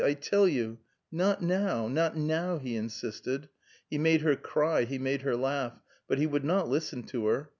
I tell you " "Not now, not now!" He insisted. He made her cry, he made her laugh; but he would not listen to her.